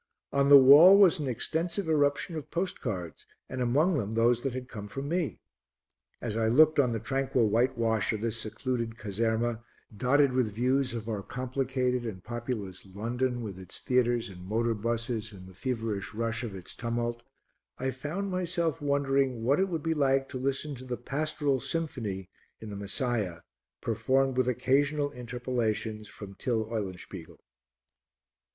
On the wall was an extensive eruption of postcards and among them those that had come from me. As I looked on the tranquil whitewash of this secluded caserma, dotted with views of our complicated and populous London, with its theatres and motor buses and the feverish rush of its tumult, I found myself wondering what it would be like to listen to the Pastoral Symphony in the Messiah, performed with occasional interpolations from Till Eulenspiegel.